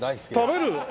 食べる！？